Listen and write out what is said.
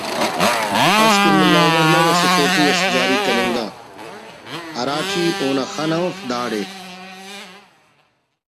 اس کہ ملا عمر نا ہم اسہ فوٹوس جاری کننگا ہراٹی اونا خن اف داڑے